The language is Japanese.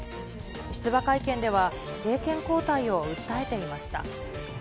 出馬会見では、政権交代を訴えていました。